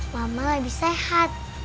mama lebih sehat